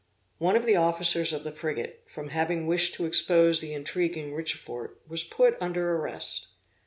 One of the officers of the frigate, from having wished to expose the intriguing Richefort, was put under arrest.